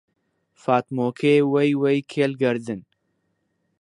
فاتمۆکێ وەی وەی کێل گەردن